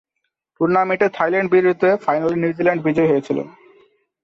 টুর্নামেন্টে থাইল্যান্ড বিরুদ্ধে ফাইনালে নিউজিল্যান্ড বিজয়ী হয়েছিল।